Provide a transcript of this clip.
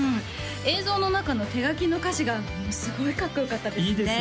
映像の中の手書きの歌詞がものすごいかっこよかったですね